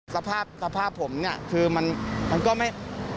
สภาพสภาพผมเนี่ยคือมันก็ไม่